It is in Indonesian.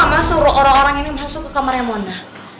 kenapa mama suruh orang orang ini masuk ke kamarnya mona